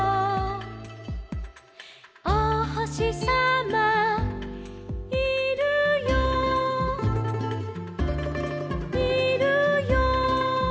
「おほしさまいるよいるよ」